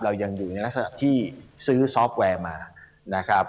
เรายังอยู่ในลักษณะที่ซื้อซอฟต์แวร์มานะครับ